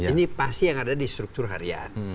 ini pasti yang ada di struktur harian